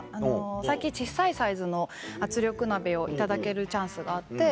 最近小っさいサイズの圧力鍋を頂けるチャンスがあって。